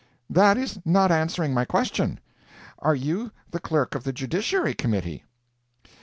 "That is not answering my question. Are you the clerk of the Judiciary Committee?"